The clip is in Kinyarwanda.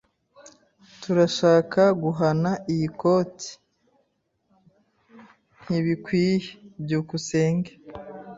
Turashaka guhana iyi koti. Ntibikwiye. byukusenge